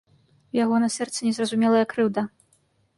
У яго на сэрцы незразумелая крыўда.